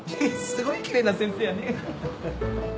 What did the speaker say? すごいきれいな先生やね。